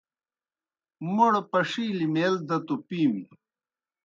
موْڑ پݜِیلیْ میل دہ توْ پِیم۔